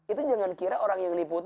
itu jangan kira orang yang menipu itu